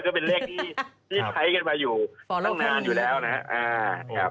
ก็เป็นเลขที่ใช้กันมาอยู่ตั้งนานอยู่แล้วนะครับ